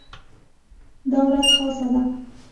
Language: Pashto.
دا ورځ خاصه ده.